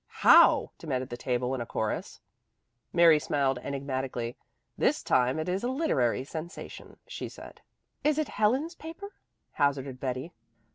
"How?" demanded the table in a chorus. Mary smiled enigmatically. "This time it is a literary sensation," she said. "Is it Helen's paper?" hazarded Betty.